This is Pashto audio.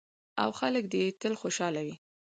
او خلک دې یې تل خوشحاله وي.